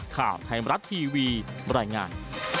ข่าวไทยมรัฐทีวีบรรยายงาน